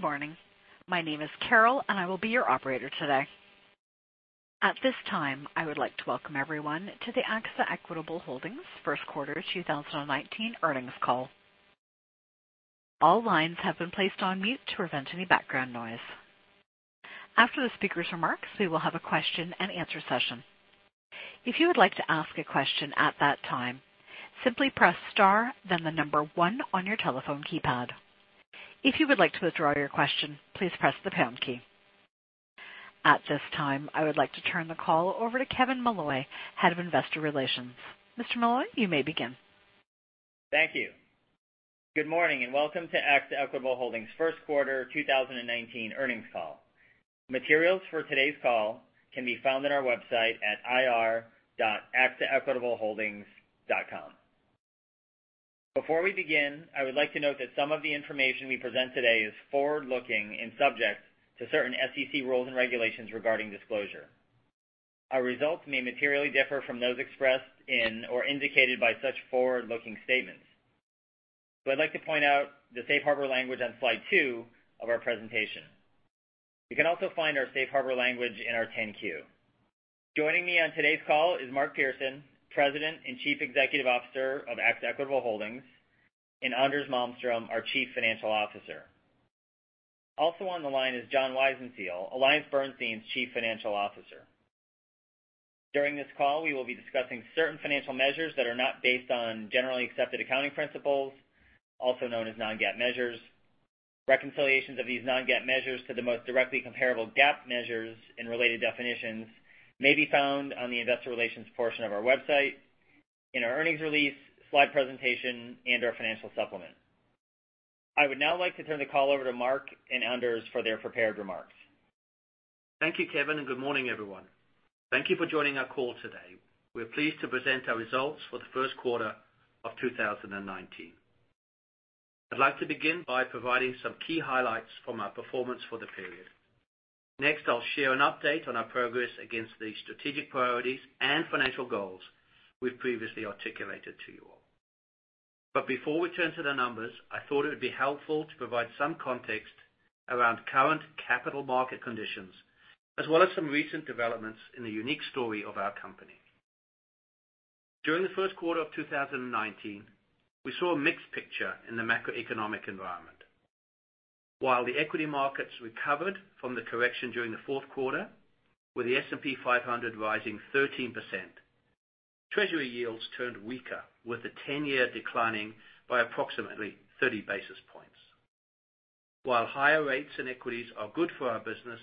Good morning. My name is Carol, and I will be your operator today. At this time, I would like to welcome everyone to the AXA Equitable Holdings first quarter 2019 earnings call. All lines have been placed on mute to prevent any background noise. After the speakers' remarks, we will have a question and answer session. If you would like to ask a question at that time, simply press star then the number one on your telephone keypad. If you would like to withdraw your question, please press the pound key. At this time, I would like to turn the call over to Kevin Molloy, head of investor relations. Mr. Molloy, you may begin. Thank you. Good morning and welcome to AXA Equitable Holdings first quarter 2019 earnings call. Materials for today's call can be found on our website at ir.axaequitableholdings.com. Before we begin, I would like to note that some of the information we present today is forward-looking and subject to certain SEC rules and regulations regarding disclosure. Our results may materially differ from those expressed in or indicated by such forward-looking statements. I'd like to point out the safe harbor language on slide two of our presentation. You can also find our safe harbor language in our 10-Q. Joining me on today's call is Mark Pearson, President and Chief Executive Officer of AXA Equitable Holdings, and Anders Malmstrom, our Chief Financial Officer. Also on the line is John Weisenseel, AllianceBernstein's Chief Financial Officer. During this call, we will be discussing certain financial measures that are not based on generally accepted accounting principles, also known as non-GAAP measures. Reconciliations of these non-GAAP measures to the most directly comparable GAAP measures and related definitions may be found on the investor relations portion of our website, in our earnings release, slide presentation, and our financial supplement. I would now like to turn the call over to Mark and Anders for their prepared remarks. Thank you, Kevin, and good morning, everyone. Thank you for joining our call today. We're pleased to present our results for the first quarter of 2019. I'd like to begin by providing some key highlights from our performance for the period. Next, I'll share an update on our progress against the strategic priorities and financial goals we've previously articulated to you all. Before we turn to the numbers, I thought it would be helpful to provide some context around current capital market conditions, as well as some recent developments in the unique story of our company. During the first quarter of 2019, we saw a mixed picture in the macroeconomic environment. While the equity markets recovered from the correction during the fourth quarter, with the S&P 500 rising 13%, treasury yields turned weaker with the 10-year declining by approximately 30 basis points. While higher rates and equities are good for our business,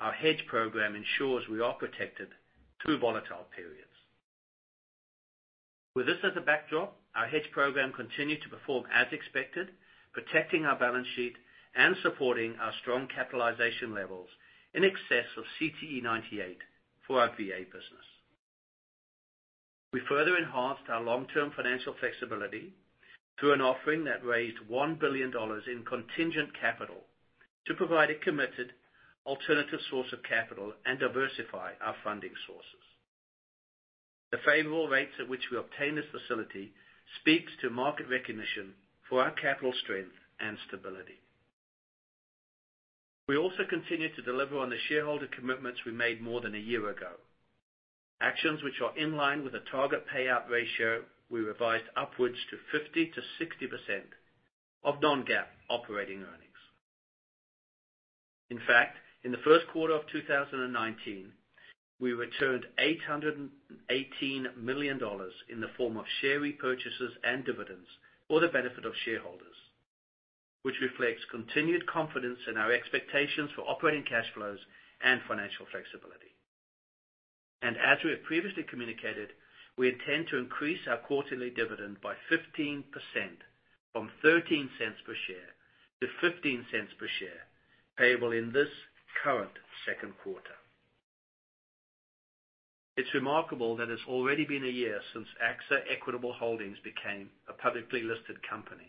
our hedge program ensures we are protected through volatile periods. With this as a backdrop, our hedge program continued to perform as expected, protecting our balance sheet and supporting our strong capitalization levels in excess of CTE 98 for our VA business. We further enhanced our long-term financial flexibility through an offering that raised $1 billion in contingent capital to provide a committed alternative source of capital and diversify our funding sources. The favorable rates at which we obtained this facility speaks to market recognition for our capital strength and stability. We also continue to deliver on the shareholder commitments we made more than a year ago. Actions which are in line with a target payout ratio we revised upwards to 50%-60% of non-GAAP operating earnings. In fact, in the first quarter of 2019, we returned $818 million in the form of share repurchases and dividends for the benefit of shareholders, which reflects continued confidence in our expectations for operating cash flows and financial flexibility. As we have previously communicated, we intend to increase our quarterly dividend by 15%, from $0.13 per share to $0.15 per share, payable in this current second quarter. It's remarkable that it's already been a year since AXA Equitable Holdings became a publicly listed company.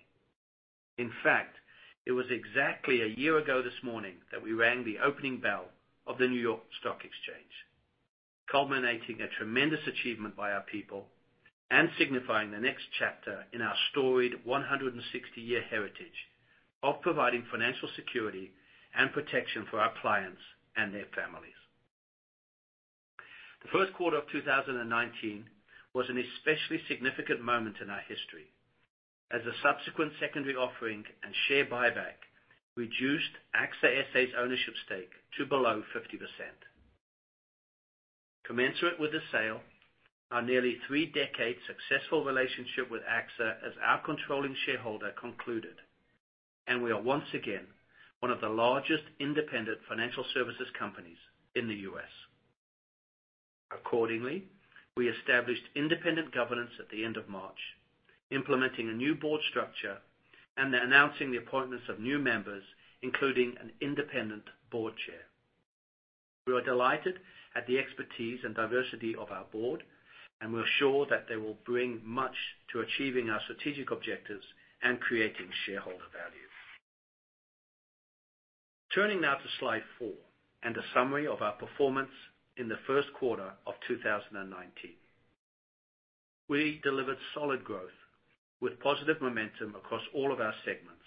In fact, it was exactly a year ago this morning that we rang the opening bell of the New York Stock Exchange, culminating a tremendous achievement by our people and signifying the next chapter in our storied 160-year heritage of providing financial security and protection for our clients and their families. The first quarter of 2019 was an especially significant moment in our history as a subsequent secondary offering and share buyback reduced AXA S.A.'s ownership stake to below 50%. Commensurate with the sale, our nearly three-decade successful relationship with AXA as our controlling shareholder concluded, we are once again one of the largest independent financial services companies in the U.S. Accordingly, we established independent governance at the end of March, implementing a new board structure and announcing the appointments of new members, including an independent board chair. We are delighted at the expertise and diversity of our board, we're sure that they will bring much to achieving our strategic objectives and creating shareholder value. Turning now to slide four and a summary of our performance in the first quarter of 2019. We delivered solid growth with positive momentum across all of our segments,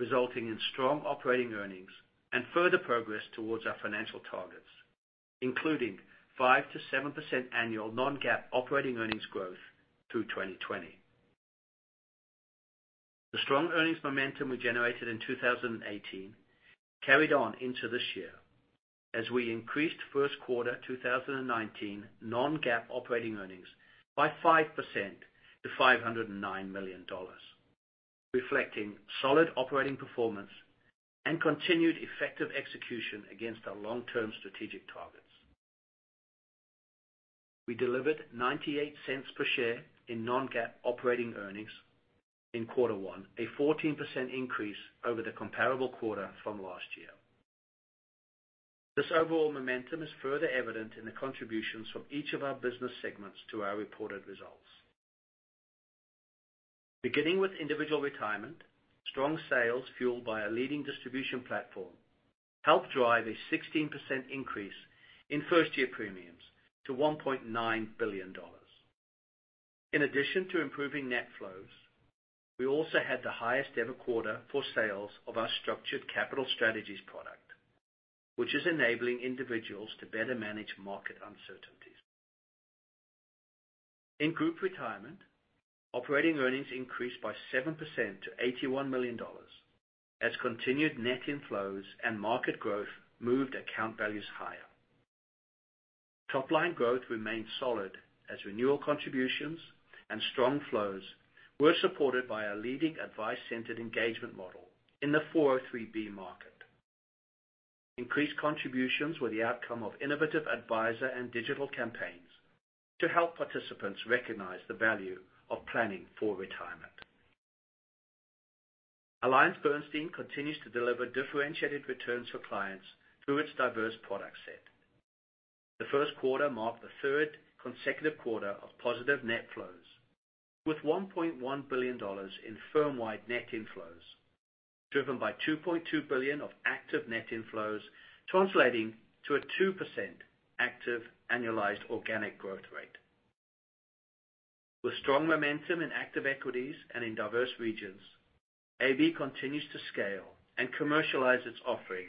resulting in strong operating earnings and further progress towards our financial targets, including 5%-7% annual non-GAAP operating earnings growth through 2020. The strong earnings momentum we generated in 2018 carried on into this year as we increased first quarter 2019 non-GAAP operating earnings by 5% to $509 million, reflecting solid operating performance and continued effective execution against our long-term strategic targets. We delivered $0.98 per share in non-GAAP operating earnings in quarter one, a 14% increase over the comparable quarter from last year. This overall momentum is further evident in the contributions from each of our business segments to our reported results. Beginning with individual retirement, strong sales fueled by a leading distribution platform helped drive a 16% increase in first-year premiums to $1.9 billion. In addition to improving net flows, we also had the highest ever quarter for sales of our Structured Capital Strategies® product, which is enabling individuals to better manage market uncertainties. In group retirement, operating earnings increased by 7% to $81 million, as continued net inflows and market growth moved account values higher. Top-line growth remained solid as renewal contributions and strong flows were supported by our leading advice-centered engagement model in the 403 market. Increased contributions were the outcome of innovative advisor and digital campaigns to help participants recognize the value of planning for retirement. AllianceBernstein continues to deliver differentiated returns for clients through its diverse product set. The first quarter marked the third consecutive quarter of positive net flows, with $1.1 billion in firm-wide net inflows driven by $2.2 billion of active net inflows, translating to a 2% active annualized organic growth rate. With strong momentum in active equities and in diverse regions, AllianceBernstein continues to scale and commercialize its offering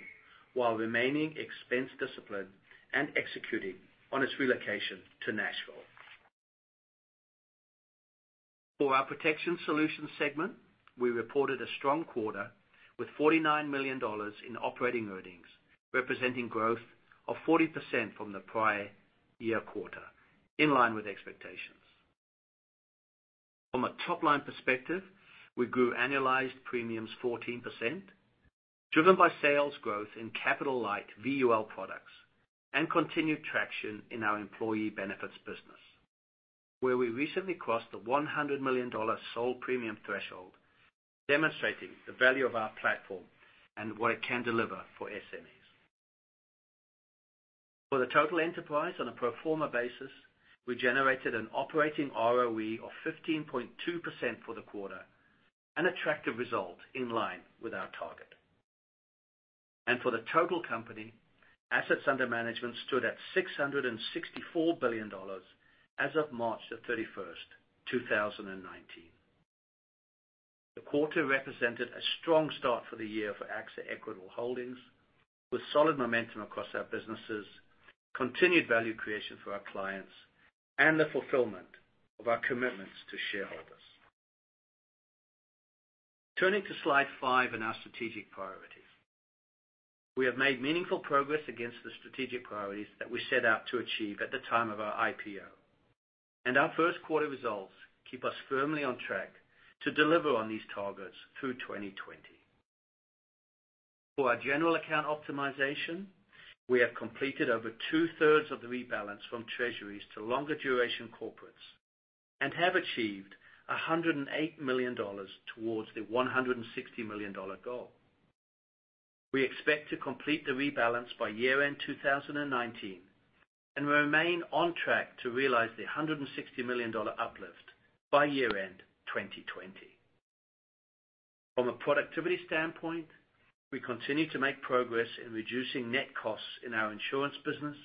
while remaining expense discipline and executing on its relocation to Nashville. For our Protection Solutions segment, we reported a strong quarter with $49 million in operating earnings, representing growth of 40% from the prior year quarter, in line with expectations. From a top-line perspective, we grew annualized premiums 14%, driven by sales growth in capital-light VUL products and continued traction in our employee benefits business, where we recently crossed the $100 million sold premium threshold, demonstrating the value of our platform and what it can deliver for SMEs. For the total enterprise, on a pro forma basis, we generated an operating ROE of 15.2% for the quarter, an attractive result in line with our target. For the total company, assets under management stood at $664 billion as of March 31st, 2019. The quarter represented a strong start for the year for AXA Equitable Holdings, with solid momentum across our businesses, continued value creation for our clients, and the fulfillment of our commitments to shareholders. Turning to slide five and our strategic priorities. We have made meaningful progress against the strategic priorities that we set out to achieve at the time of our IPO, and our first quarter results keep us firmly on track to deliver on these targets through 2020. For our general account optimization, we have completed over two-thirds of the rebalance from Treasuries to longer duration corporates and have achieved $108 million towards the $160 million goal. We expect to complete the rebalance by year-end 2019 and remain on track to realize the $160 million uplift by year-end 2020. From a productivity standpoint, we continue to make progress in reducing net costs in our insurance business,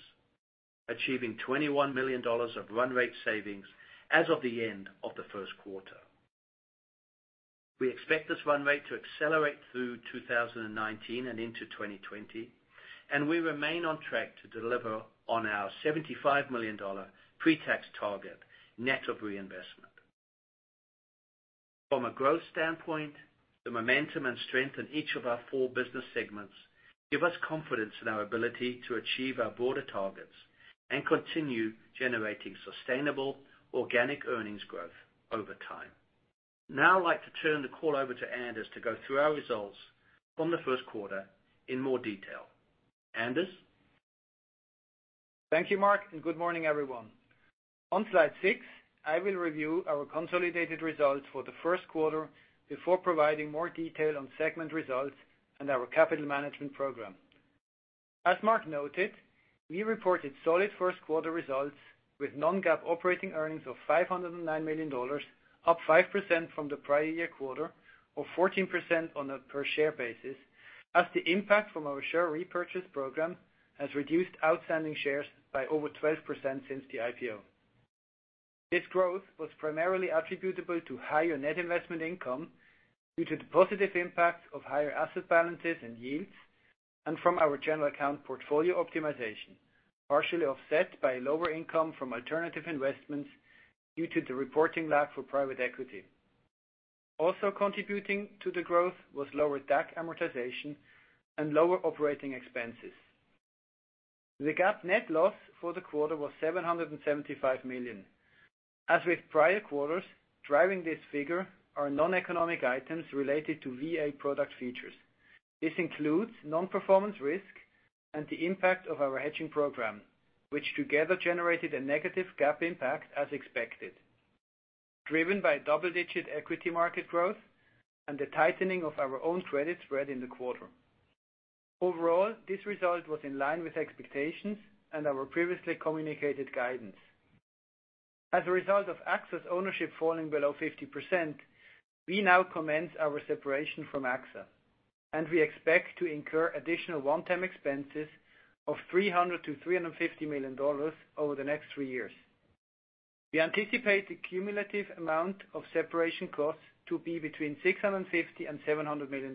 achieving $21 million of run rate savings as of the end of the first quarter. We expect this run rate to accelerate through 2019 and into 2020, and we remain on track to deliver on our $75 million pre-tax target net of reinvestment. From a growth standpoint, the momentum and strength in each of our four business segments give us confidence in our ability to achieve our broader targets and continue generating sustainable organic earnings growth over time. Now I'd like to turn the call over to Anders to go through our results from the first quarter in more detail. Anders? Thank you, Mark, and good morning, everyone. On slide six, I will review our consolidated results for the first quarter before providing more detail on segment results and our capital management program. As Mark noted, we reported solid first quarter results with non-GAAP operating earnings of $509 million, up 5% from the prior year quarter, or 14% on a per share basis, as the impact from our share repurchase program has reduced outstanding shares by over 12% since the IPO. This growth was primarily attributable to higher net investment income due to the positive impact of higher asset balances and yields, and from our general account portfolio optimization, partially offset by lower income from alternative investments due to the reporting lag for private equity. Also contributing to the growth was lower DAC amortization and lower operating expenses. The GAAP net loss for the quarter was $775 million. With prior quarters, driving this figure are noneconomic items related to VA product features. This includes non-performance risk and the impact of our hedging program, which together generated a negative GAAP impact as expected, driven by double-digit equity market growth and the tightening of our own credit spread in the quarter. Overall, this result was in line with expectations and our previously communicated guidance. As a result of AXA's ownership falling below 50%, we now commence our separation from AXA, and we expect to incur additional one-time expenses of $300 to $350 million over the next three years. We anticipate the cumulative amount of separation costs to be between $650 and $700 million,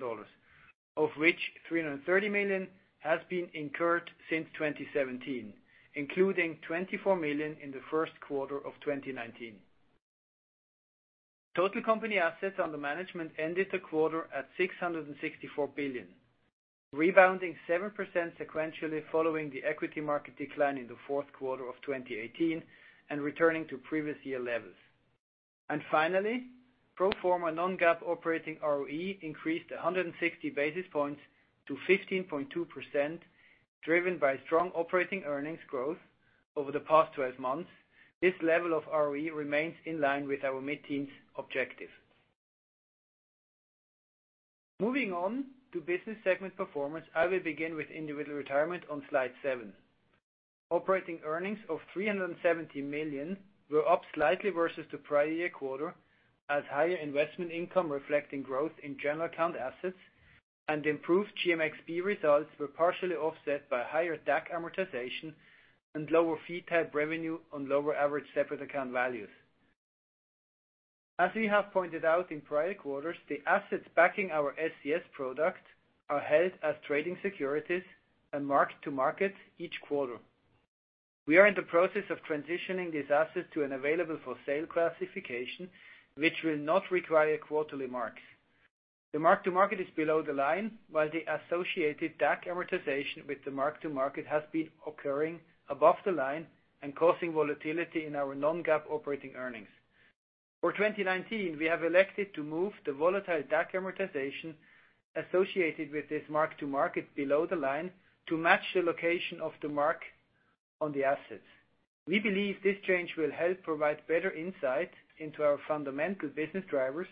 of which $330 million has been incurred since 2017, including $24 million in the first quarter of 2019. Total company assets under management ended the quarter at $664 billion, rebounding 7% sequentially following the equity market decline in the fourth quarter of 2018 and returning to previous year levels. Finally, pro forma non-GAAP operating ROE increased 160 basis points to 15.2%, driven by strong operating earnings growth over the past 12 months. This level of ROE remains in line with our mid-teens objective. Moving on to business segment performance, I will begin with individual retirement on slide seven. Operating earnings of $370 million were up slightly versus the prior year quarter as higher investment income reflecting growth in general account assets and improved GMXP results were partially offset by higher DAC amortization and lower fee type revenue on lower average separate account values. We have pointed out in prior quarters, the assets backing our SCS product are held as trading securities and marked to market each quarter. We are in the process of transitioning these assets to an available-for-sale classification, which will not require quarterly marks. The mark-to-market is below the line, while the associated DAC amortization with the mark-to-market has been occurring above the line and causing volatility in our non-GAAP operating earnings. For 2019, we have elected to move the volatile DAC amortization associated with this mark-to-market below the line to match the location of the mark on the assets. We believe this change will help provide better insight into our fundamental business drivers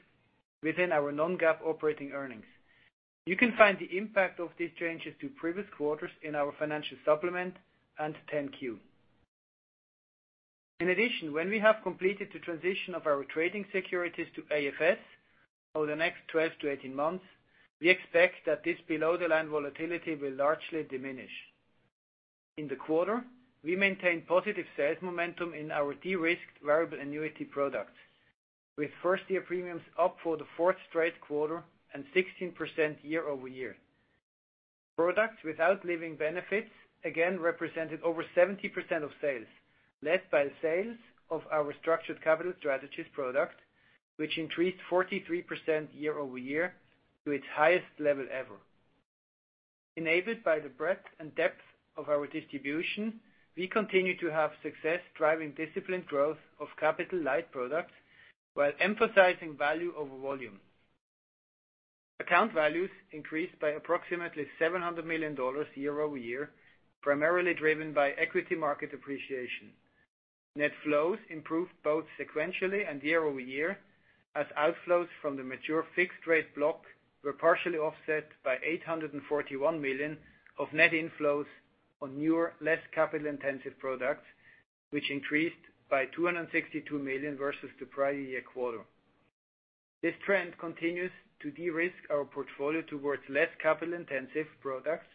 within our non-GAAP operating earnings. You can find the impact of these changes to previous quarters in our financial supplement and 10-Q. When we have completed the transition of our trading securities to AFS over the next 12-18 months, we expect that this below-the-line volatility will largely diminish. In the quarter, we maintained positive sales momentum in our de-risked variable annuity products, with first-year premiums up for the fourth straight quarter and 16% year-over-year. Products without living benefits again represented over 70% of sales, led by the sales of our Structured Capital Strategies product, which increased 43% year-over-year to its highest level ever. Enabled by the breadth and depth of our distribution, we continue to have success driving disciplined growth of capital-light products while emphasizing value over volume. Account values increased by approximately $700 million year-over-year, primarily driven by equity market appreciation. Net flows improved both sequentially and year-over-year, as outflows from the mature fixed rate block were partially offset by $841 million of net inflows on newer, less capital-intensive products, which increased by $262 million versus the prior year quarter. This trend continues to de-risk our portfolio towards less capital-intensive products,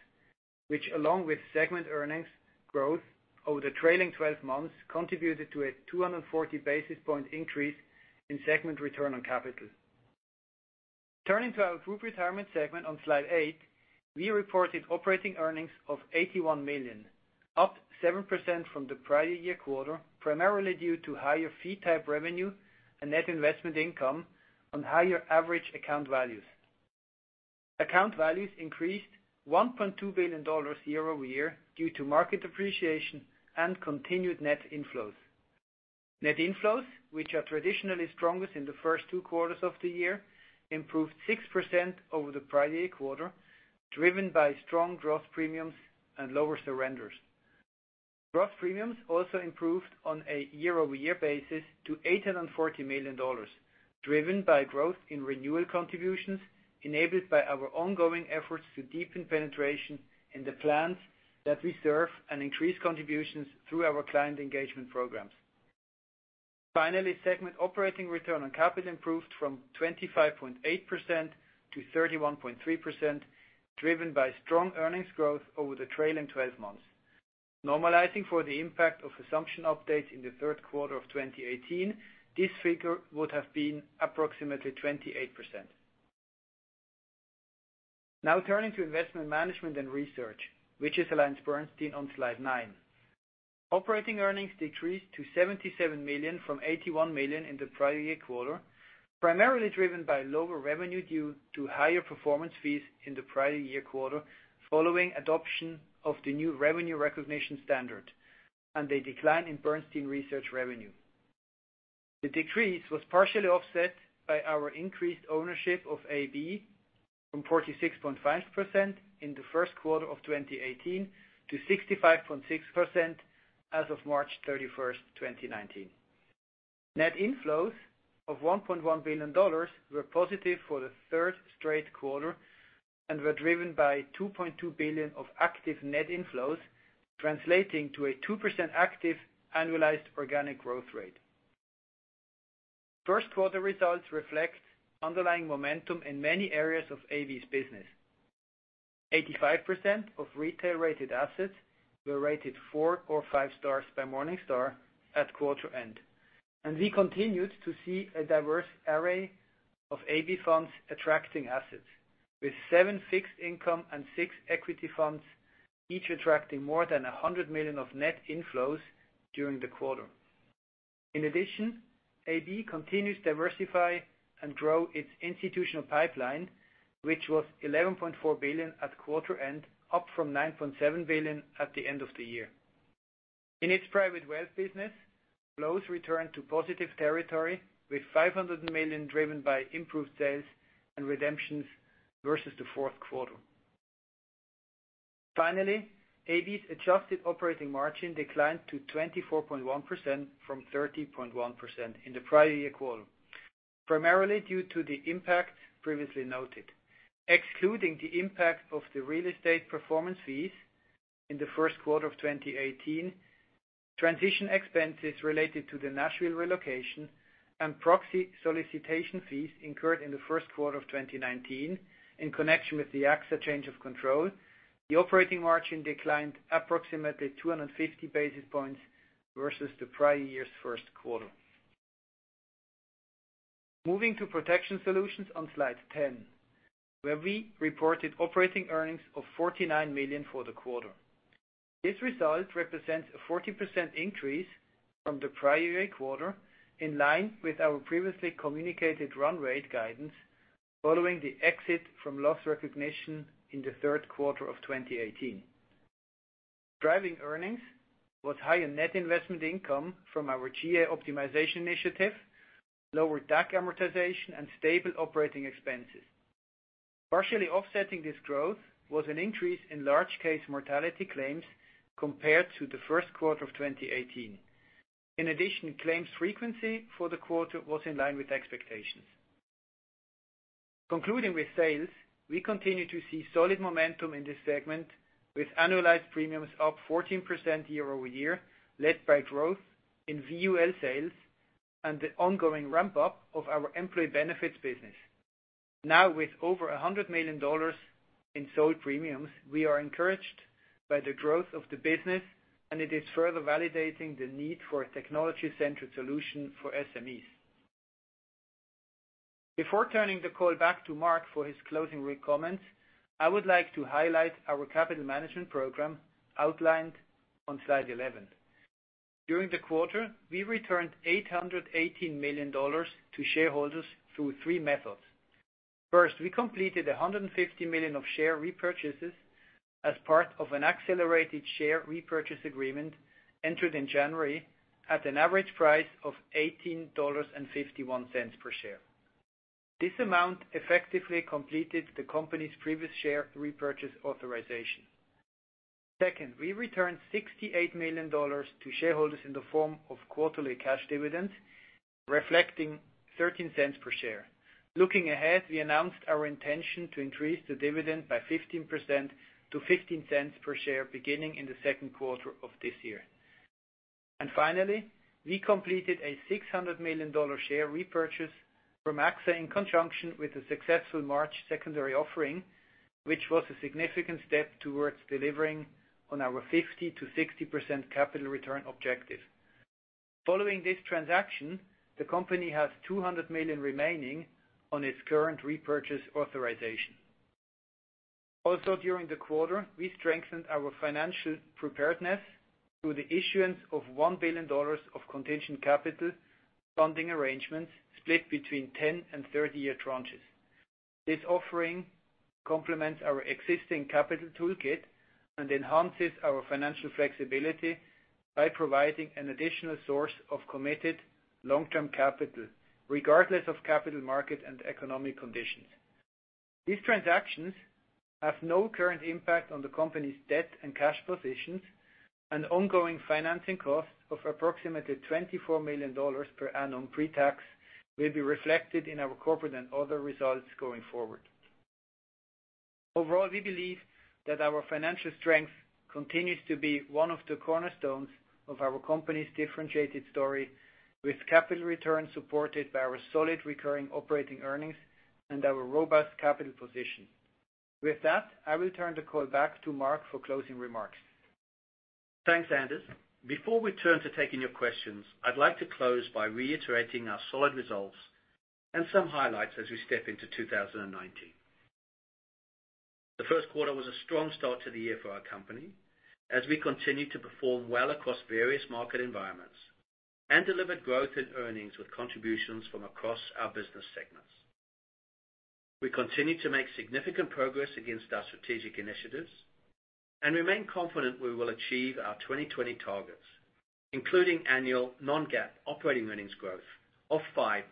which, along with segment earnings growth over the trailing 12 months, contributed to a 240 basis point increase in segment return on capital. Turning to our group retirement segment on slide eight, we reported operating earnings of $81 million, up 7% from the prior year quarter, primarily due to higher fee type revenue and net investment income on higher average account values. Account values increased $1.2 billion year-over-year due to market appreciation and continued net inflows. Net inflows, which are traditionally strongest in the first two quarters of the year, improved 6% over the prior year quarter, driven by strong growth premiums and lower surrenders. Growth premiums also improved on a year-over-year basis to $840 million, driven by growth in renewal contributions enabled by our ongoing efforts to deepen penetration in the plans that we serve and increase contributions through our client engagement programs. Finally, segment operating return on capital improved from 25.8% to 31.3%, driven by strong earnings growth over the trailing 12 months. Normalizing for the impact of assumption updates in the third quarter of 2018, this figure would have been approximately 28%. Turning to investment management and research, which is AllianceBernstein on slide nine. Operating earnings decreased to $77 million from $81 million in the prior year quarter, primarily driven by lower revenue due to higher performance fees in the prior year quarter, following adoption of the new revenue recognition standard and a decline in Bernstein Research revenue. The decrease was partially offset by our increased ownership of AllianceBernstein from 46.5% in the first quarter of 2018 to 65.6% as of March 31st, 2019. Net inflows of $1.1 billion were positive for the third straight quarter and were driven by $2.2 billion of active net inflows, translating to a 2% active annualized organic growth rate. First quarter results reflect underlying momentum in many areas of AllianceBernstein's business. 85% of retail-rated assets were rated four or five stars by Morningstar at quarter end. We continued to see a diverse array of AllianceBernstein funds attracting assets, with seven fixed income and six equity funds each attracting more than $100 million of net inflows during the quarter. AllianceBernstein continues to diversify and grow its institutional pipeline, which was $11.4 billion at quarter end, up from $9.7 billion at the end of the year. In its private wealth business, flows returned to positive territory with $500 million driven by improved sales and redemptions versus the fourth quarter. AllianceBernstein's adjusted operating margin declined to 24.1% from 30.1% in the prior year quarter, primarily due to the impact previously noted. Excluding the impact of the real estate performance fees in the first quarter of 2018, transition expenses related to the Nashville relocation, and proxy solicitation fees incurred in the first quarter of 2019 in connection with the AXA change of control, the operating margin declined approximately 250 basis points versus the prior year's first quarter. Moving to Protection Solutions on slide 10, we reported operating earnings of $49 million for the quarter. This result represents a 40% increase from the prior year quarter, in line with our previously communicated run rate guidance following the exit from loss recognition in the third quarter of 2018. Driving earnings was higher net investment income from our GA optimization initiative, lower DAC amortization, and stable operating expenses. Partially offsetting this growth was an increase in large case mortality claims compared to the first quarter of 2018. Claims frequency for the quarter was in line with expectations. Concluding with sales, we continue to see solid momentum in this segment, with annualized premiums up 14% year-over-year, led by growth in VUL sales and the ongoing ramp-up of our employee benefits business. With over $100 million in sold premiums, we are encouraged by the growth of the business, and it is further validating the need for a technology-centered solution for SMEs. Before turning the call back to Mark for his closing comments, I would like to highlight our capital management program outlined on slide 11. During the quarter, we returned $818 million to shareholders through three methods. We completed $150 million of share repurchases as part of an accelerated share repurchase agreement entered in January at an average price of $18.51 per share. This amount effectively completed the company's previous share repurchase authorization. We returned $68 million to shareholders in the form of quarterly cash dividends, reflecting $0.13 per share. Looking ahead, we announced our intention to increase the dividend by 15% to $0.15 per share beginning in the second quarter of this year. Finally, we completed a $600 million share repurchase from AXA in conjunction with the successful March secondary offering, which was a significant step towards delivering on our 50%-60% capital return objective. Following this transaction, the company has $200 million remaining on its current repurchase authorization. During the quarter, we strengthened our financial preparedness through the issuance of $1 billion of contingent capital funding arrangements split between 10 and 30-year tranches. This offering complements our existing capital toolkit and enhances our financial flexibility by providing an additional source of committed long-term capital, regardless of capital market and economic conditions. These transactions have no current impact on the company's debt and cash positions. Ongoing financing costs of approximately $24 million per annum pre-tax will be reflected in our corporate and other results going forward. Overall, we believe that our financial strength continues to be one of the cornerstones of our company's differentiated story with capital returns supported by our solid recurring operating earnings and our robust capital position. With that, I will turn the call back to Mark for closing remarks. Thanks, Anders. Before we turn to taking your questions, I'd like to close by reiterating our solid results and some highlights as we step into 2019. The first quarter was a strong start to the year for our company as we continued to perform well across various market environments and delivered growth in earnings with contributions from across our business segments. We continue to make significant progress against our strategic initiatives and remain confident we will achieve our 2020 targets, including annual non-GAAP operating earnings growth of 5%-7%.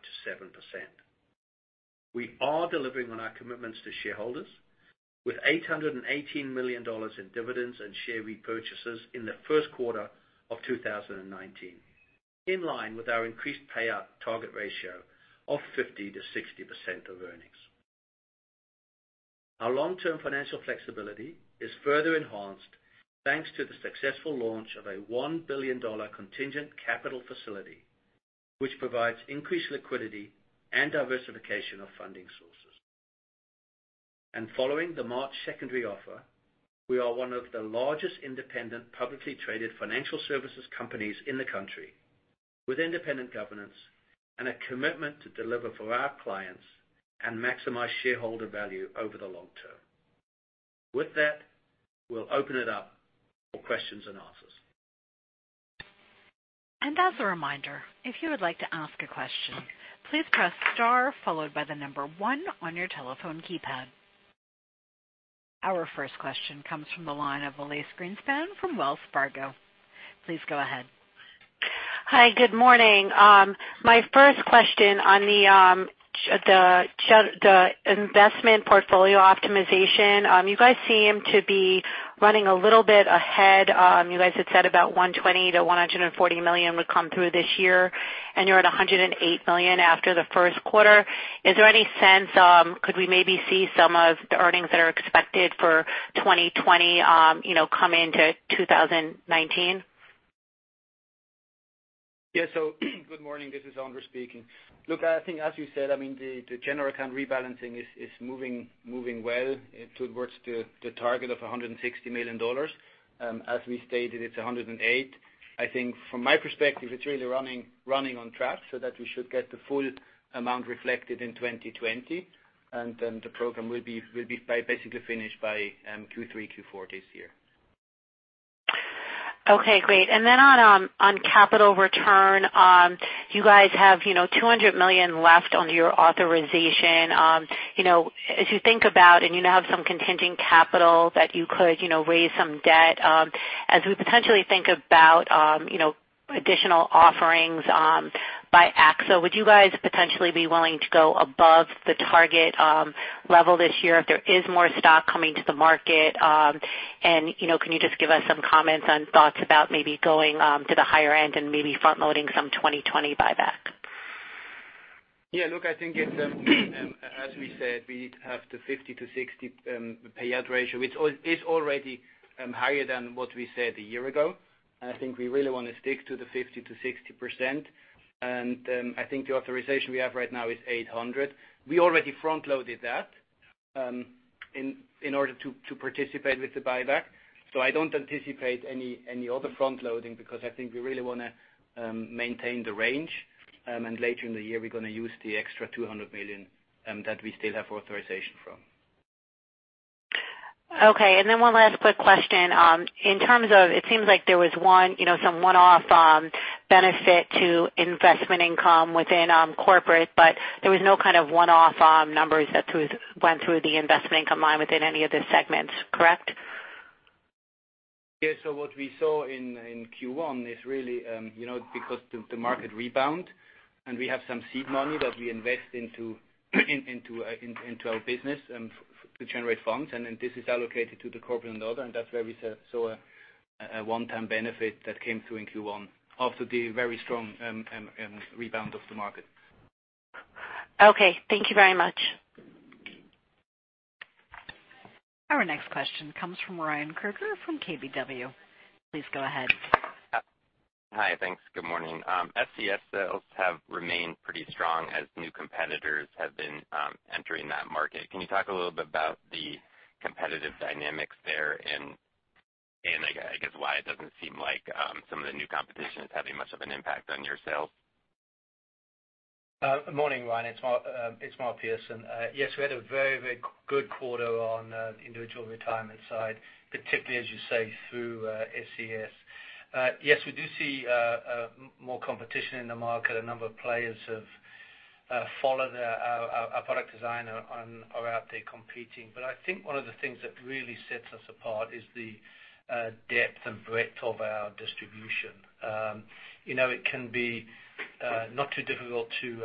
We are delivering on our commitments to shareholders with $818 million in dividends and share repurchases in the first quarter of 2019, in line with our increased payout target ratio of 50%-60% of earnings. Our long-term financial flexibility is further enhanced thanks to the successful launch of a $1 billion contingent capital facility, which provides increased liquidity and diversification of funding sources. Following the March secondary offer, we are one of the largest independent publicly traded financial services companies in the country, with independent governance and a commitment to deliver for our clients and maximize shareholder value over the long term. With that, we'll open it up for questions and answers. As a reminder, if you would like to ask a question, please press star followed by the number 1 on your telephone keypad. Our first question comes from the line of Elyse Greenspan from Wells Fargo. Please go ahead. Hi, good morning. My first question on the investment portfolio optimization. You guys seem to be running a little bit ahead. You guys had said about $120 million-$140 million would come through this year, and you're at $108 million after the first quarter. Is there any sense, could we maybe see some of the earnings that are expected for 2020 come into 2019? Yeah, good morning, this is Anders speaking. I think as you said, the general account rebalancing is moving well towards the target of $160 million. As we stated, it's $108 million. I think from my perspective, it's really running on track so that we should get the full amount reflected in 2020, and then the program will be basically finished by Q3, Q4 this year. Okay, great. Then on capital return, you guys have $200 million left on your authorization. As you think about, and you now have some contingent capital that you could raise some debt. As we potentially think about additional offerings by AXA, would you guys potentially be willing to go above the target level this year if there is more stock coming to the market? Can you just give us some comments on thoughts about maybe going to the higher end and maybe front-loading some 2020 buyback? Yeah, I think as we said, we have the 50%-60% payout ratio, which is already higher than what we said a year ago. I think we really want to stick to the 50%-60%. I think the authorization we have right now is $800 million. We already front-loaded that in order to participate with the buyback. I don't anticipate any other front-loading because I think we really want to maintain the range. Later in the year, we're going to use the extra $200 million that we still have authorization from. Okay. One last quick question. In terms of, it seems like there was some one-off benefit to investment income within corporate, but there was no kind of one-off numbers that went through the investment income line within any of the segments, correct? Yeah. What we saw in Q1 is really because the market rebound. We have some seed money that we invest into our business to generate funds. This is allocated to the corporate and other. That's where we saw a one-time benefit that came through in Q1 after the very strong rebound of the market. Okay, thank you very much. Our next question comes from Ryan Krueger from KBW. Please go ahead. Hi, thanks. Good morning. SCS sales have remained pretty strong as new competitors have been entering that market. Can you talk a little bit about the competitive dynamics there and I guess why it doesn't seem like some of the new competition is having much of an impact on your sales? Morning, Ryan. It's Mark Pearson. Yes, we had a very good quarter on the individual retirement side, particularly as you say, through SCS. Yes, we do see more competition in the market. A number of players have followed our product design are out there competing. I think one of the things that really sets us apart is the depth and breadth of our distribution. It can be not too difficult to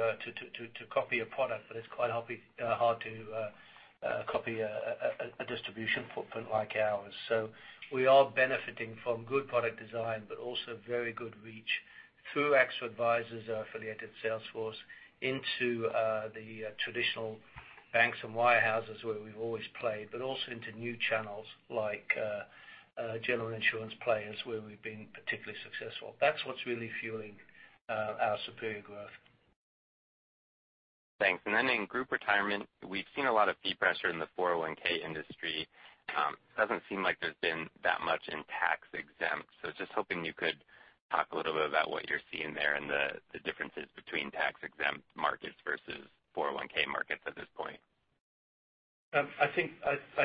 copy a product, but it's quite hard to copy a distribution footprint like ours. We are benefiting from good product design, but also very good reach through AXA Advisors' affiliated sales force into the traditional banks and wirehouses where we've always played, but also into new channels like general insurance players where we've been particularly successful. That's what's really fueling our superior growth. Thanks. Then in Group Retirement, we've seen a lot of fee pressure in the 401 industry. It doesn't seem like there's been that much in tax-exempt. Just hoping you could talk a little bit about what you're seeing there and the differences between tax-exempt markets versus 401 markets at this point. I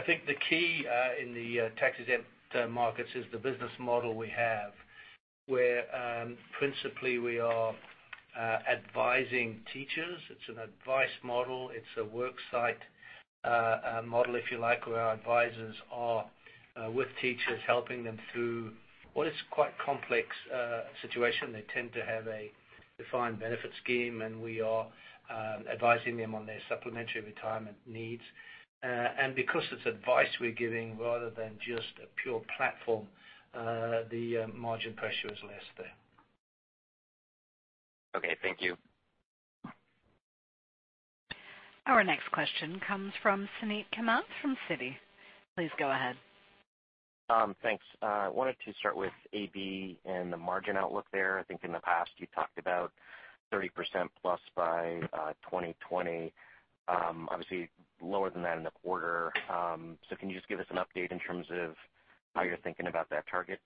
think the key in the tax-exempt markets is the business model we have, where principally we are advising teachers. It's an advice model. It's a work site model, if you like, where our advisors are with teachers, helping them through what is quite complex situation. They tend to have a defined benefit scheme, and we are advising them on their supplementary retirement needs. Because it's advice we're giving rather than just a pure platform, the margin pressure is less there. Okay, thank you. Our next question comes from Suneet Kamath from Citi. Please go ahead. Thanks. I wanted to start with AllianceBernstein and the margin outlook there. I think in the past you talked about 30% plus by 2020. Obviously, lower than that in the quarter. Can you just give us an update in terms of how you're thinking about that target?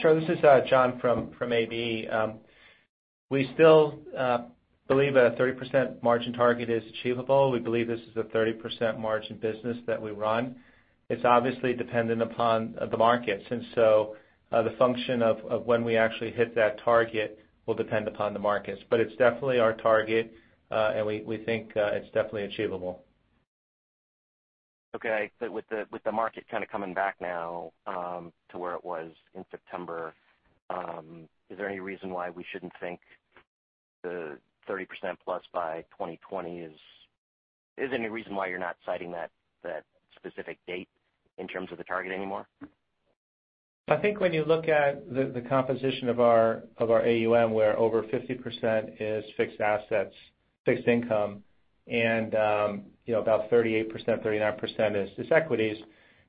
Sure. This is John from AB. We still believe a 30% margin target is achievable. We believe this is a 30% margin business that we run. It's obviously dependent upon the markets, the function of when we actually hit that target will depend upon the markets. It's definitely our target, and we think it's definitely achievable. Okay. With the market coming back now to where it was in September, is there any reason why we shouldn't think the 30% plus by 2020? Is there any reason why you're not citing that specific date in terms of the target anymore? I think when you look at the composition of our AUM, where over 50% is fixed assets, fixed income, and about 38%, 39% is equities.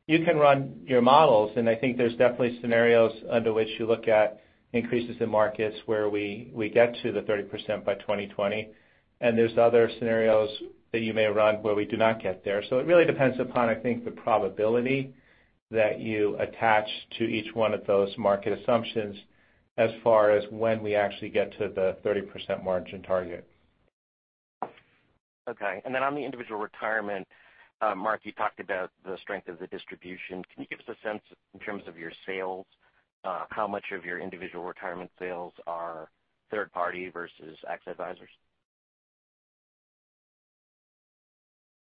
You can run your models, I think there's definitely scenarios under which you look at increases in markets where we get to the 30% by 2020, and there's other scenarios that you may run where we do not get there. It really depends upon, I think, the probability that you attach to each one of those market assumptions as far as when we actually get to the 30% margin target. Okay. Then on the individual retirement, Mark, you talked about the strength of the distribution. Can you give us a sense in terms of your sales, how much of your individual retirement sales are third party versus AXA Advisors?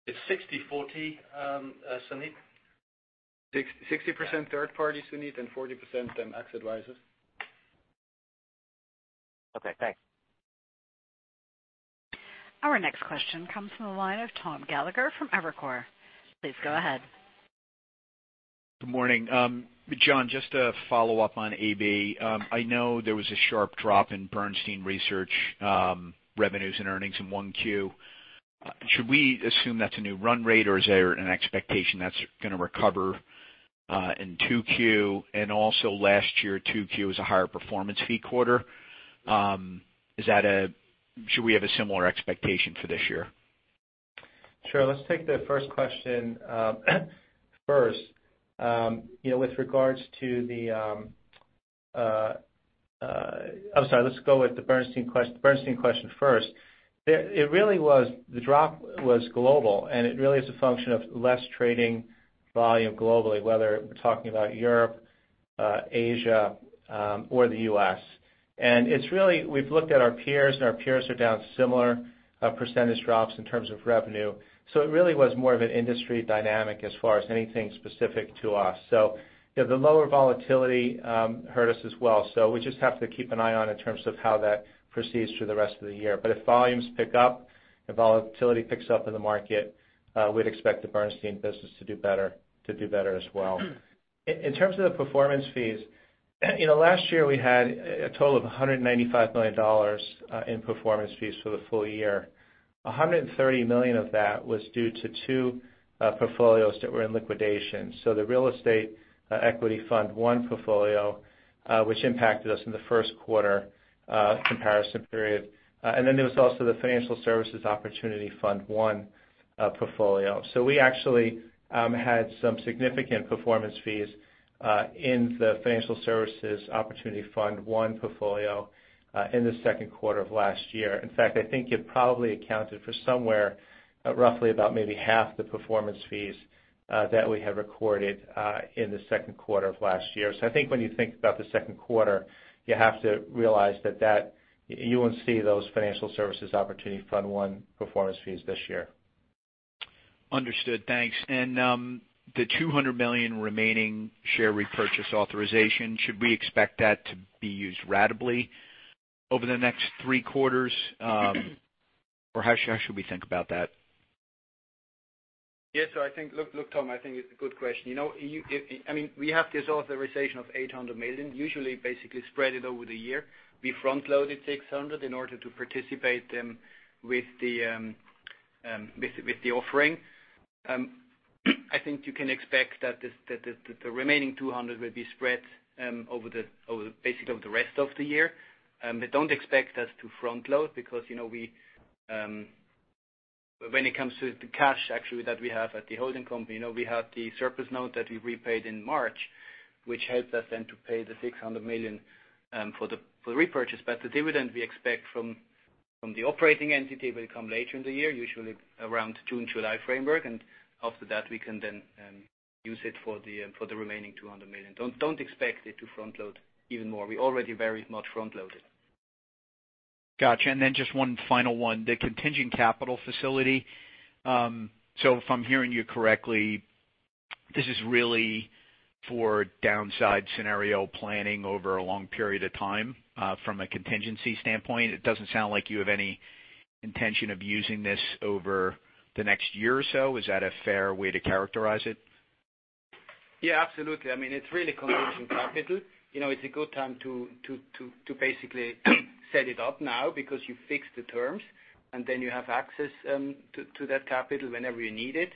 It's 60/40, Suneet. 60% third party, Suneet, and 40% them AXA Advisors. Okay, thanks. Our next question comes from the line of Thomas Gallagher from Evercore. Please go ahead. Good morning. John, just to follow up on AB. I know there was a sharp drop in Bernstein Research revenues and earnings in 1Q. Should we assume that's a new run rate, or is there an expectation that's going to recover in 2Q? Also last year, 2Q was a higher performance fee quarter. Should we have a similar expectation for this year? Sure. Let's take the first question first. With regards to the Bernstein question first. The drop was global, it really is a function of less trading volume globally, whether we're talking about Europe, Asia, or the U.S. It's really, we've looked at our peers, and our peers are down similar % drops in terms of revenue. It really was more of an industry dynamic as far as anything specific to us. The lower volatility hurt us as well. We just have to keep an eye on in terms of how that proceeds through the rest of the year. If volumes pick up, if volatility picks up in the market, we'd expect the Bernstein business to do better as well. In terms of the performance fees, last year we had a total of $195 million in performance fees for the full year. $130 million of that was due to two portfolios that were in liquidation. The Real Estate Equity Fund I portfolio, which impacted us in the first quarter comparison period. There was also the Financial Services Opportunity Fund I portfolio. We actually had some significant performance fees in the Financial Services Opportunity Fund I portfolio in the second quarter of last year. In fact, I think it probably accounted for somewhere roughly about maybe half the performance fees that we had recorded in the second quarter of last year. I think when you think about the second quarter, you have to realize that you won't see those Financial Services Opportunity Fund I performance fees this year. Understood. Thanks. The $200 million remaining share repurchase authorization, should we expect that to be used ratably over the next 3 quarters? Or how should we think about that? Yes. I think, look, Tom, I think it's a good question. We have this authorization of $800 million, usually basically spread it over the year. We front-loaded $600 in order to participate them with the offering. I think you can expect that the remaining $200 will be spread over basically the rest of the year. Don't expect us to front-load because when it comes to the cash, actually, that we have at the holding company, we have the surplus note that we repaid in March, which helps us then to pay the $600 million for the repurchase. The dividend we expect from the operating entity will come later in the year, usually around June, July framework. After that, we can then use it for the remaining $200 million. Don't expect it to front-load even more. We already very much front-loaded. Got you. just one final one. The contingent capital facility. if I'm hearing you correctly, this is really for downside scenario planning over a long period of time, from a contingency standpoint. It doesn't sound like you have any intention of using this over the next year or so. Is that a fair way to characterize it? Yeah, absolutely. It's really contingent capital. It's a good time to basically set it up now because you fix the terms and then you have access to that capital whenever you need it.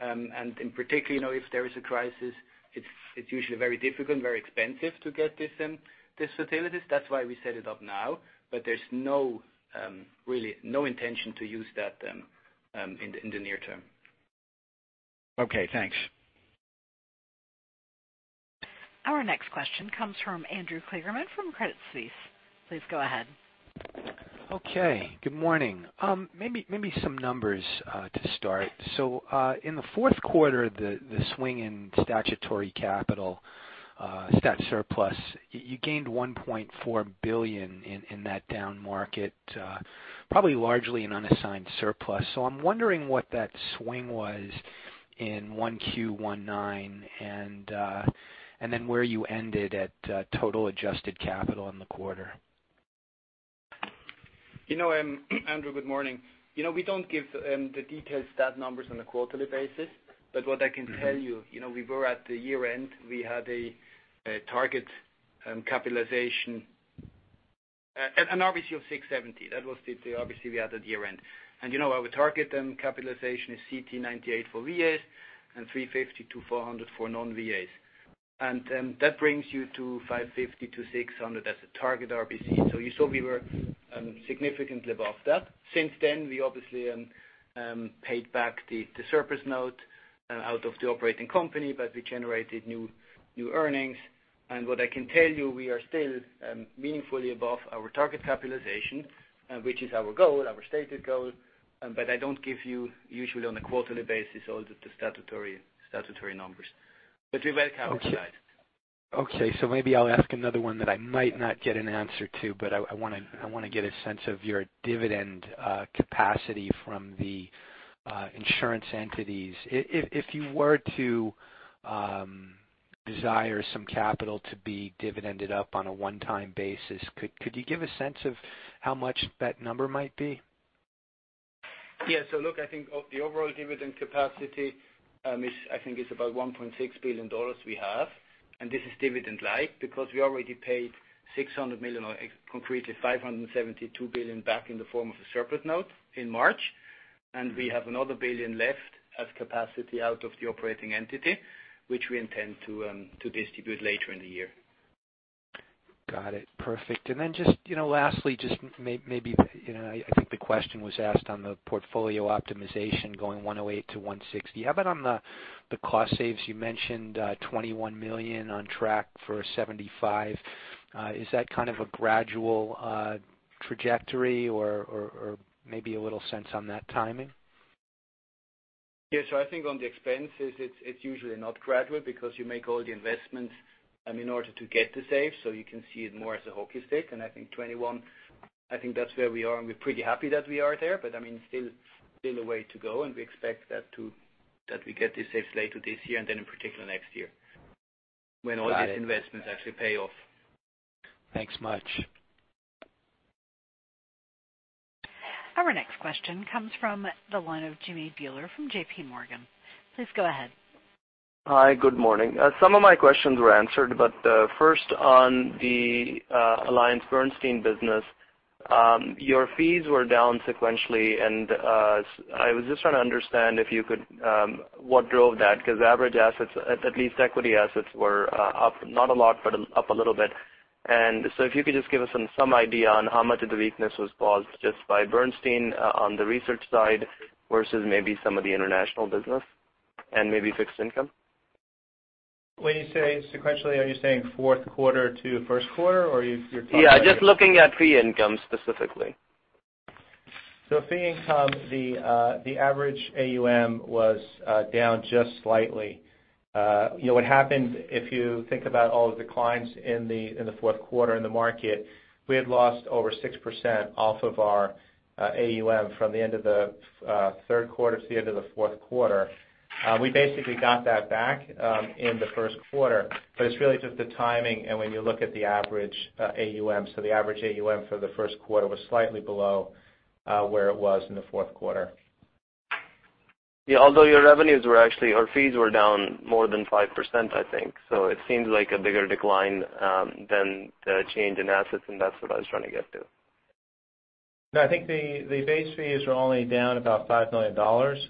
in particular, if there is a crisis, it's usually very difficult and very expensive to get these facilities. That's why we set it up now, but there's really no intention to use that in the near term. Okay, thanks. Our next question comes from Andrew Kligerman from Credit Suisse. Please go ahead. Okay. Good morning. Maybe some numbers to start. In the fourth quarter, the swing in statutory capital, stat surplus, you gained $1.4 billion in that down market, probably largely in unassigned surplus. I'm wondering what that swing was in 1Q19 and then where you ended at total adjusted capital in the quarter. Andrew, good morning. We don't give the detailed stat numbers on a quarterly basis. What I can tell you, we were at the year-end, we had a target capitalization, an RBC of 670. That was the RBC we had at year-end. Our target capitalization is CTE 98 for VAs and 350 to 400 for non-VAs. That brings you to 550 to 600 as a target RBC. You saw we were significantly above that. Since then, we obviously paid back the surplus note out of the operating company, but we generated new earnings. What I can tell you, we are still meaningfully above our target capitalization, which is our goal, our stated goal. I don't give you usually on a quarterly basis all the statutory numbers. We're well covered side. Okay. Maybe I'll ask another one that I might not get an answer to, but I want to get a sense of your dividend capacity from the insurance entities. If you were to desire some capital to be dividended up on a one-time basis, could you give a sense of how much that number might be? Yeah. Look, I think the overall dividend capacity is, I think it's about $1.6 billion we have, and this is dividend-like because we already paid $600 million, or concretely $572 million back in the form of a surplus note in March. We have another $1 billion left as capacity out of the operating entity, which we intend to distribute later in the year. Got it. Perfect. Then just lastly, I think the question was asked on the portfolio optimization going 108 to 160. How about on the cost saves, you mentioned $21 million on track for $75. Is that kind of a gradual trajectory or maybe a little sense on that timing? I think on the expenses, it's usually not gradual because you make all the investments in order to get the save, so you can see it more as a hockey stick. I think $21, that's where we are, and we're pretty happy that we are there, but still a way to go. We expect that we get the saves later this year in particular next year. Got it. When all these investments actually pay off. Thanks much. Our next question comes from the line of Jimmy Bhullar from JPMorgan. Please go ahead. Hi. Good morning. Some of my questions were answered, but first on the AllianceBernstein business, your fees were down sequentially, and I was just trying to understand what drove that, because average assets, at least equity assets, were up, not a lot, but up a little bit. If you could just give us some idea on how much of the weakness was caused just by Bernstein on the research side versus maybe some of the international business and maybe fixed income. When you say sequentially, are you saying fourth quarter to first quarter? Yeah, just looking at fee income specifically. fee income, the average AUM was down just slightly. What happened, if you think about all of the declines in the fourth quarter in the market, we had lost over 6% off of our AUM from the end of the third quarter to the end of the fourth quarter. We basically got that back in the first quarter, but it's really just the timing. when you look at the average AUM, so the average AUM for the first quarter was slightly below where it was in the fourth quarter. Yeah, although your revenues were actually, or fees were down more than 5%, I think. it seems like a bigger decline than the change in assets, and that's what I was trying to get to. No, I think the base fees were only down about $5 million,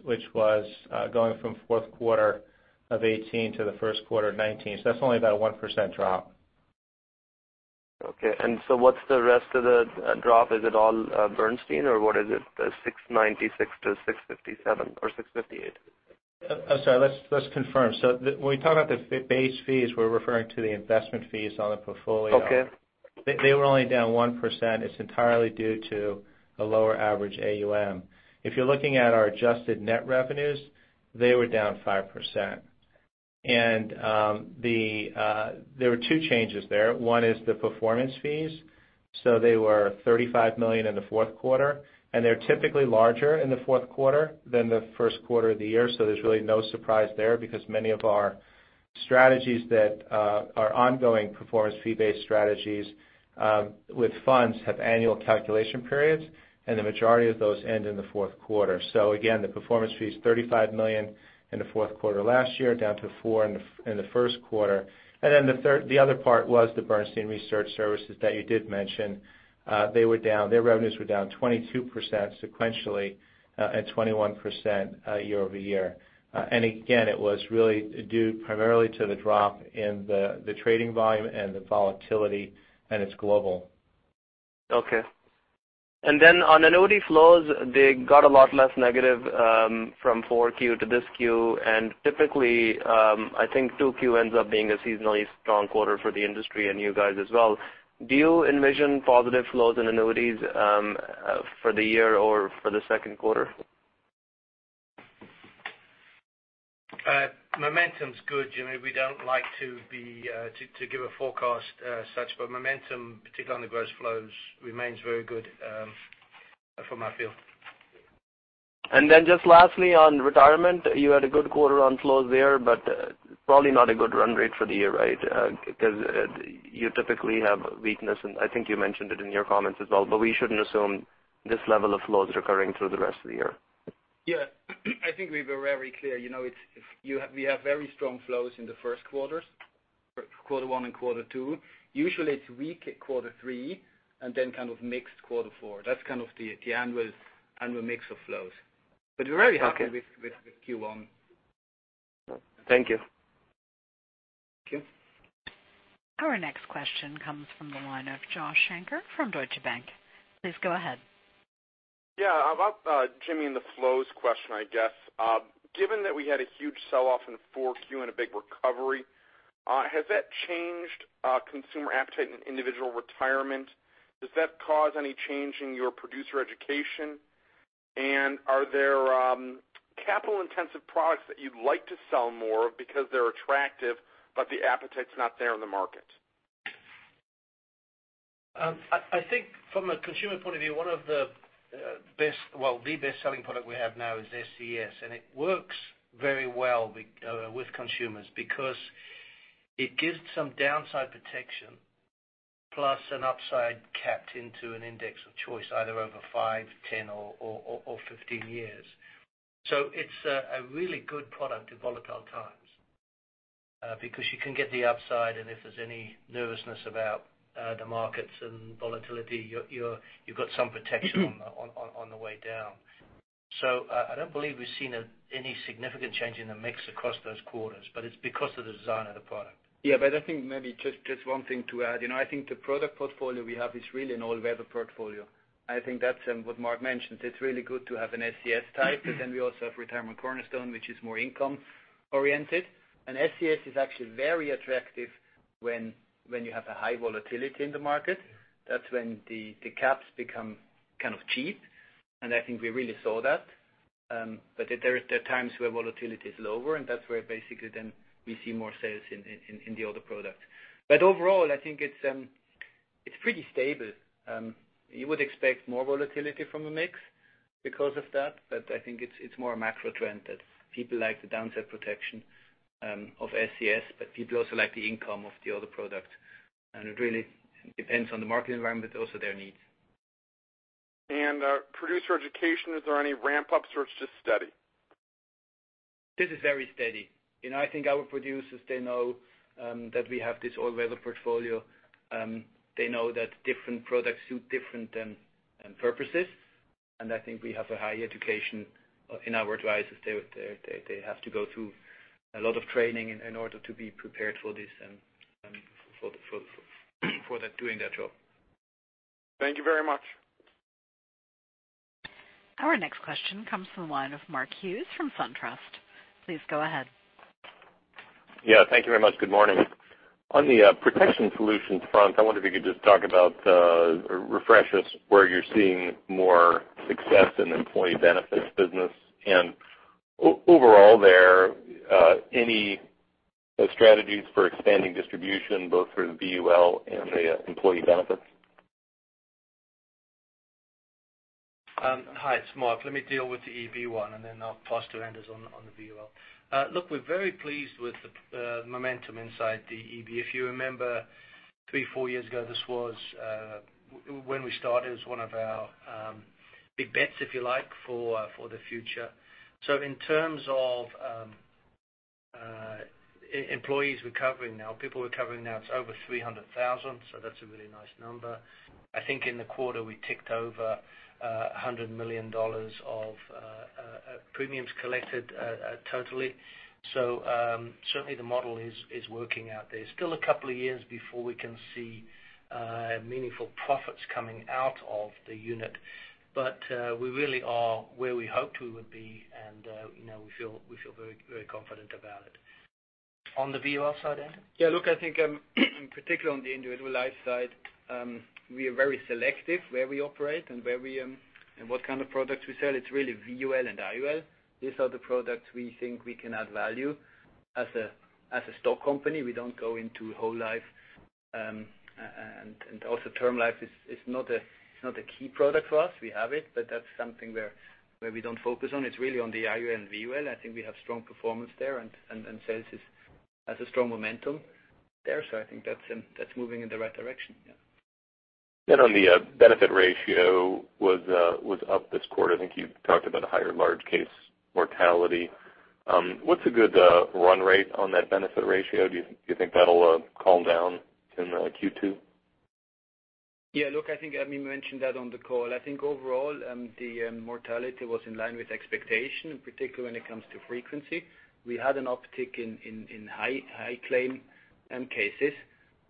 which was going from fourth quarter of 2018 to the first quarter of 2019. that's only about a 1% drop. Okay. What's the rest of the drop? Is it all Bernstein or what is it? The $696 to $657 or $658. I'm sorry. Let's confirm. When we talk about the base fees, we're referring to the investment fees on the portfolio. Okay. They were only down 1%. It's entirely due to the lower average AUM. If you're looking at our adjusted net revenues, they were down 5%. There were two changes there. One is the performance fees. They were $35 million in the fourth quarter, and they're typically larger in the fourth quarter than the first quarter of the year, so there's really no surprise there because many of our strategies that are ongoing performance fee-based strategies with funds have annual calculation periods, and the majority of those end in the fourth quarter. Again, the performance fee is $35 million in the fourth quarter last year, down to $4 million in the first quarter. The other part was the Bernstein Research services that you did mention. Their revenues were down 22% sequentially, and 21% year-over-year. Again, it was really due primarily to the drop in the trading volume and the volatility, and it's global. Okay. On annuity flows, they got a lot less negative from 4Q to this Q. Typically, I think 2Q ends up being a seasonally strong quarter for the industry and you guys as well. Do you envision positive flows in annuities for the year or for the second quarter? Momentum's good, Jimmy. We don't like to give a forecast as such, but momentum, particularly on the gross flows, remains very good from our field. Just lastly, on retirement, you had a good quarter on flows there, but probably not a good run rate for the year, right? You typically have weakness, and I think you mentioned it in your comments as well, but we shouldn't assume this level of flows recurring through the rest of the year. Yeah. I think we were very clear. We have very strong flows in the first quarters, quarter one and quarter two. Usually, it's weak at quarter three, and then kind of mixed quarter four. That's kind of the annual mix of flows. We're very happy- Okay with Q1. Thank you. Thank you. Our next question comes from the line of Joshua Shanker from Deutsche Bank. Please go ahead. Yeah. About, Jimmy, in the flows question, I guess. Given that we had a huge sell-off in Q4 and a big recovery, has that changed consumer appetite in individual retirement? Does that cause any change in your producer education? Are there capital-intensive products that you'd like to sell more of because they're attractive, but the appetite's not there in the market? I think from a consumer point of view, one of the best, well, the best-selling product we have now is SCS, and it works very well with consumers because it gives some downside protection plus an upside capped into an index of choice, either over five, 10, or 15 years. It's a really good product in volatile times, because you can get the upside, and if there's any nervousness about the markets and volatility, you've got some protection on the way down. I don't believe we've seen any significant change in the mix across those quarters, but it's because of the design of the product. Yeah, I think maybe just one thing to add. I think the product portfolio we have is really an all-weather portfolio. I think that's what Mark mentioned. It's really good to have an SCS type, but we also have Retirement Cornerstone, which is more income oriented. SCS is actually very attractive when you have a high volatility in the market. That's when the caps become kind of cheap, and I think we really saw that. There are times where volatility is lower, and that's where basically we see more sales in the other product. Overall, I think it's pretty stable. You would expect more volatility from a mix because of that, but I think it's more a macro trend that people like the downside protection of SCS, but people also like the income of the other product. It really depends on the market environment, but also their needs. Producer education, is there any ramp-ups or it's just steady? This is very steady. I think our producers, they know that we have this all-weather portfolio. They know that different products suit different purposes, and I think we have a high education in our advisors. They have to go through a lot of training in order to be prepared for this and for doing their job. Thank you very much. Our next question comes from the line of Mark Hughes from SunTrust. Please go ahead. Thank you very much. Good morning. On the Protection Solutions front, I wonder if you could just talk about, or refresh us where you're seeing more success in the employee benefits business. Overall there, any strategies for expanding distribution, both for the VUL and the employee benefits? Hi, it's Mark. Let me deal with the EB one, I'll pass to Anders on the VUL. We're very pleased with the momentum inside the EB. If you remember three, four years ago, when we started, it was one of our big bets, if you like, for the future. In terms of employees recovering now, people recovering now. It's over 300,000, so that's a really nice number. I think in the quarter, we ticked over $100 million of premiums collected totally. Certainly the model is working out. There's still a couple of years before we can see meaningful profits coming out of the unit. We really are where we hoped we would be and we feel very confident about it. On the VUL side, Anders? I think in particular on the individual life side, we are very selective where we operate and what kind of products we sell. It's really VUL and IUL. These are the products we think we can add value as a stock company. We don't go into whole life, term life is not a key product for us. We have it, that's something where we don't focus on. It's really on the IUL and VUL. I think we have strong performance there and sales has a strong momentum there. I think that's moving in the right direction. On the benefit ratio was up this quarter. I think you talked about a higher large case mortality. What's a good run rate on that benefit ratio? Do you think that'll calm down in Q2? Yeah, look, I think Ami mentioned that on the call. I think overall, the mortality was in line with expectation, in particular when it comes to frequency. We had an uptick in high claim cases.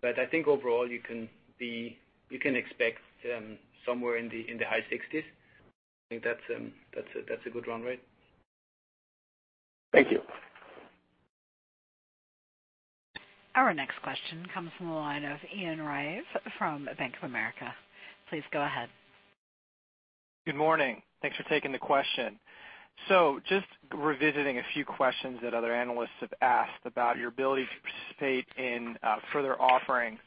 I think overall you can expect somewhere in the high 60s. I think that's a good run rate. Thank you. Our next question comes from the line of Ian Rive from Bank of America. Please go ahead. Good morning. Thanks for taking the question. Just revisiting a few questions that other analysts have asked about your ability to participate in further offerings.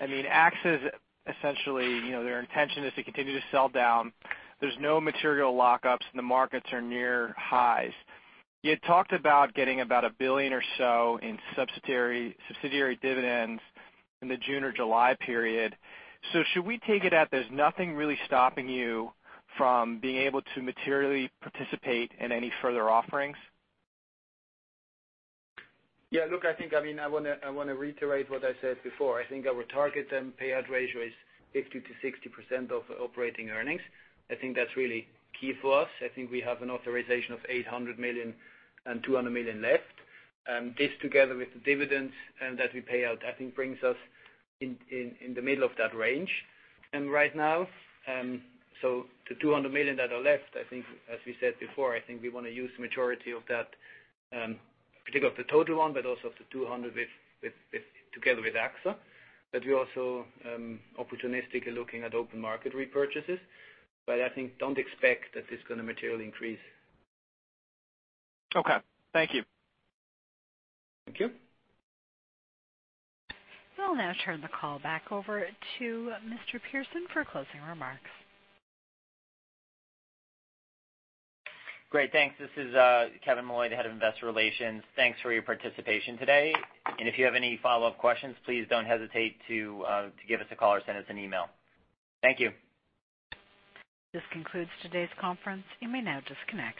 AXA is essentially, their intention is to continue to sell down. There's no material lockups and the markets are near highs. You had talked about getting about $1 billion or so in subsidiary dividends in the June or July period. Should we take it that there's nothing really stopping you from being able to materially participate in any further offerings? I want to reiterate what I said before. Our target payout ratio is 50%-60% of operating earnings. That's really key for us. We have an authorization of $800 million and $200 million left. This together with the dividends that we pay out, brings us in the middle of that range right now. The $200 million that are left, as we said before, we want to use the majority of that, particularly of the total one, but also of the $200 together with AXA. We're also opportunistically looking at open market repurchases. Don't expect that it's going to materially increase. Okay. Thank you. Thank you. I'll now turn the call back over to Mr. Pearson for closing remarks. Great. Thanks. This is Kevin Molloy, the Head of Investor Relations. Thanks for your participation today. If you have any follow-up questions, please don't hesitate to give us a call or send us an email. Thank you. This concludes today's conference. You may now disconnect.